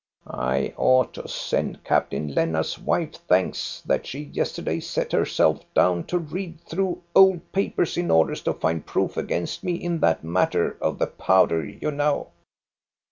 " I ought to send Captain Lennart's wife thanks that she yesterday sat herself down to read through old papers in order to find proof against me in that matter of the powder, you know?